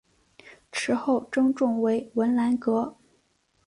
池后正中为文澜阁。